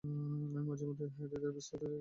আমি মাঝেমধ্যেই একটা থিরাপিস্টের সাথে সেক্স করি।